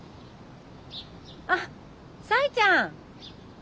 あっさいちゃん。